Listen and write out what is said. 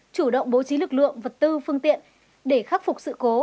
chủ động bố trí lực lượng vật tư phương tiện để khắc phục sự cố